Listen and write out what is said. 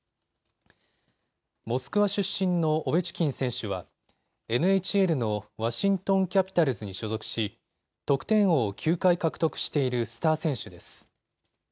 モスクワ出身のオベチキン選手はＮＨＬのワシントン・キャピタルズに所属し得点王を９回獲得しているスター選手です。